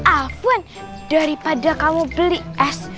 alfon daripada kamu beli es